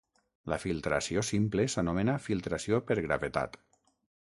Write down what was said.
La filtració simple s'anomena filtració per gravetat.